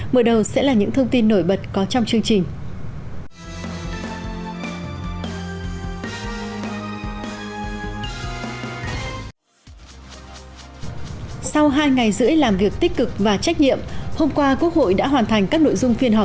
mở đầu sẽ là những thông tin nổi bật có trong chương trình